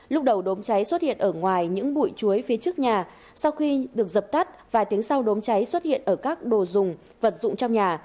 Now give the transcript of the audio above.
lúc đầu đốm cháy xuất hiện ở ngoài những bụi chuối phía trước nhà sau khi được dập tắt vài tiếng sau đốm cháy xuất hiện ở các đồ dùng vật dụng trong nhà